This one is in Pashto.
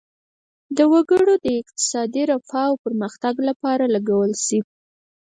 د وګړو د اقتصادي رفاه او پرمختګ لپاره لګول شي.